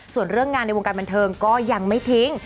ส่วนเรื่องงานในวงการบันเทิงก็ยังไม่ทิ้ง